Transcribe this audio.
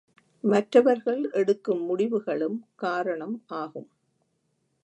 மற்றவர்கள் எடுக்கும் முடிவுகளும் காரணம் ஆகும்.